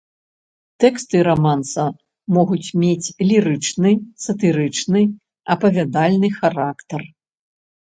Тэксты раманса могуць мець лірычны, сатырычны, апавядальны характар.